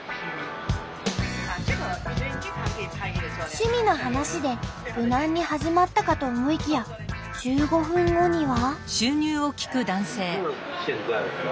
趣味の話で無難に始まったかと思いきや１５分後には。